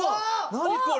何これ。